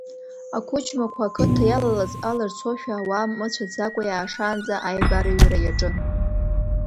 Ақәыџьмақәа ақыҭа иалалаз алырцозшәа, ауаа мыцәаӡакәа иаашаанӡа аибарыҩра иаҿын.